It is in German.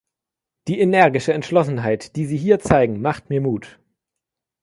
Die energische Entschlossenheit, die Sie hier zeigen, macht mir Mut.